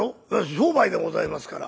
「商売でございますから」。